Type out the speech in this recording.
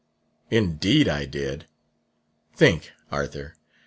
Indeed I did. Think, Arthur!